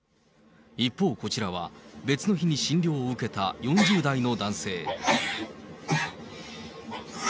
一方、こちらは別の日に診療を受けた４０代の男性。